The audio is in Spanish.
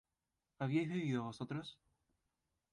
¿habíais bebido vosotros?